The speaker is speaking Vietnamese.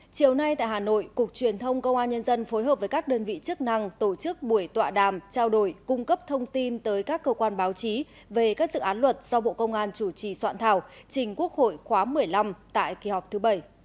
chiều nay tại hà nội cục truyền thông công an nhân dân phối hợp với các đơn vị chức năng tổ chức buổi tọa đàm trao đổi cung cấp thông tin tới các cơ quan báo chí về các dự án luật do bộ công an chủ trì soạn thảo trình quốc hội khóa một mươi năm tại kỳ họp thứ bảy